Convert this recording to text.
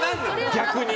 逆に。